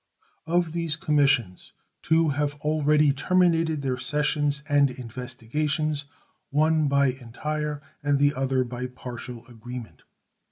Of these commissions two have already terminated their sessions and investigations, one by entire and the other by partial agreement.